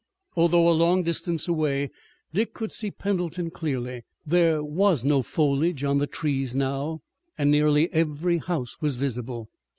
Although a long distance away Dick could see Pendleton clearly. There was no foliage on the trees now, and nearly every house was visible.